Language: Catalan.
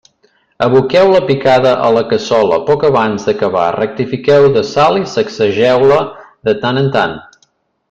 Aboqueu la picada a la cassola poc abans d'acabar, rectifiqueu de sal i sacsegeu-la de tant en tant.